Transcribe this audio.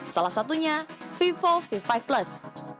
salah satunya vivo v lima plus